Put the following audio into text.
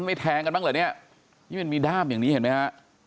แทงกันบ้างเหรอเนี่ยนี่มันมีด้ามอย่างนี้เห็นไหมฮะ